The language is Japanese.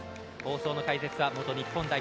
放送の解説は元日本代表